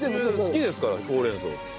好きですからほうれん草。